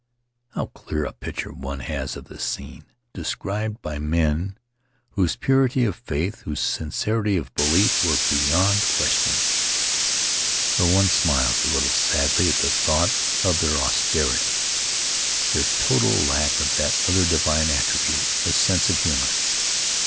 How clear a picture one has of the scene, described by men whose purity of faith, whose sincerity of belief, were beyond question. But one smiles a little sadly at the thought of their austerity, their total lack of that other divine attribute — a sense of humor.